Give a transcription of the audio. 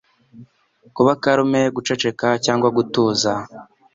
Kuba calme ,guceceka cyangwa gutuza